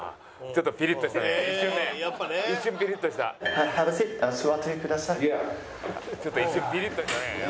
ちょっと一瞬ピリッとしたね